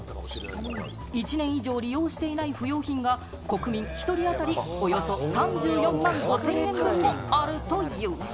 １年以上利用していない不用品が国民１人当たりおよそ３４万５０００円分もあるという。